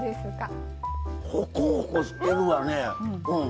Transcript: ほくほくしてるわね。